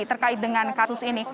terkait dengan kasus ini